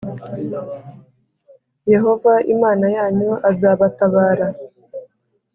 Yehova Imana yanyu azabatabara.